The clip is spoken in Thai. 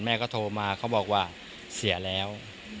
แม่ก็โทรมาเขาบอกว่าเสียแล้ว